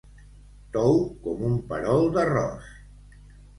Tou com un perol d'arròs.